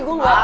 gue ga jadian